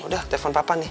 udah telepon papa nih